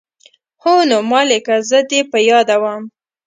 هو نو مالې که زه دې په ياده وم.